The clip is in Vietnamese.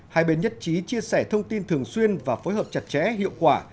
hai bên nhất trí chia sẻ thông tin thường xuyên và phối hợp chặt chẽ hiệu quả